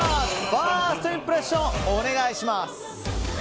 ファーストインプレッションお願いします。